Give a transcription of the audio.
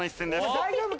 大丈夫か？